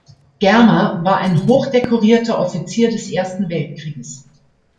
Germer war ein hochdekorierter Offizier des Ersten Weltkrieges.